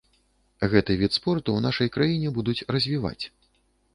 Гэты від спорту ў нашай краіне будуць развіваць.